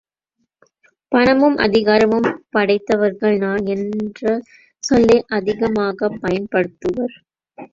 பணமும் அதிகாரமும் படைத்தவர்கள் நான் என்ற சொல்லை அதிகமாகப் பயன்படுத்துவர்.